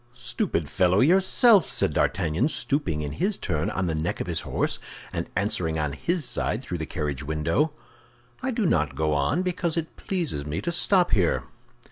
"Stupid fellow yourself!" said D'Artagnan, stooping in his turn on the neck of his horse, and answering on his side through the carriage window. "I do not go on because it pleases me to stop here."